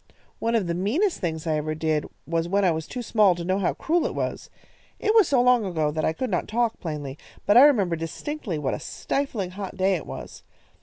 One of the meanest things I ever did was when I was too small to know how cruel it was. It was so long ago that I could not talk plainly, but I remember distinctly what a stifling hot day it was.